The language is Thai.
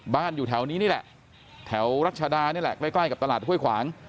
อยู่แถวนี้นี่แหละแถวรัชดานี่แหละใกล้กับตลาดห้วยขวาง